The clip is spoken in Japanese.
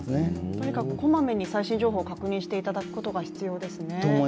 とにかく小まめに最新情報を確認していただくことが必要ですね。